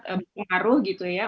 pengaruh gitu ya